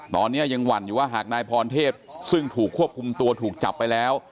ตอนนี้ยังหวั่นอยู่ว่าหากนายพรเทพซึ่งถูกควบคุมตัวถูกจับไปแล้ว